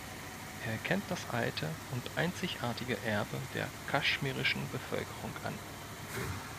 Er erkennt das alte und einzigartige Erbe der kaschmirischen Bevölkerung an.